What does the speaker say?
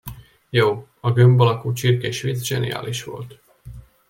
Jó, a gömb alakú csirkés vicc zseniális volt.